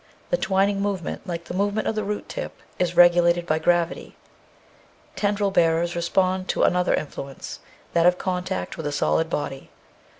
The twining movement, like the movement of the root tip, is regulated by gravity. Tendril bearers respond to another influence, that of contact with a solid body.